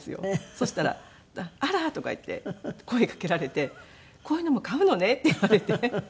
そしたら「あら！」とか言って声かけられて「こういうのも買うのね」って言われて。